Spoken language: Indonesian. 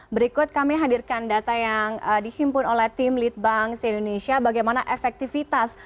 berikut kami hadirkan data yang dihimpun oleh tim lead bank di indonesia bagaimana efektivitas